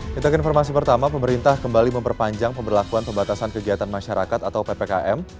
kita ke informasi pertama pemerintah kembali memperpanjang pemberlakuan pembatasan kegiatan masyarakat atau ppkm